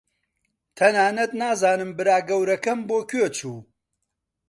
تەنانەت نازانم برا گەورەکەم بۆ کوێ چوو.